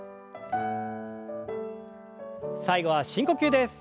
最後は深呼吸です。